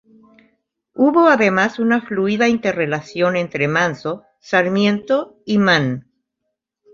Hubo además una fluida interrelación entre Manso, Sarmiento y Mann.